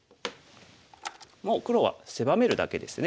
もう黒は狭めるだけですね。